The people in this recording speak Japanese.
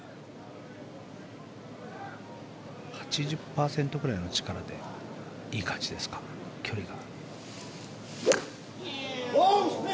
８０％ぐらいの力でいい感じですか、距離が。